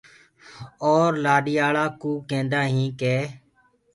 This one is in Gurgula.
اور لآڏياݪآ ڪوٚ ڪيندآ هينٚ ڪي۔